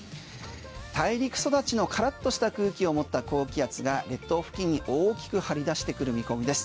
大陸育ちのからっとした空気をもった高気圧が列島付近に大きく張り出してくる見込みです。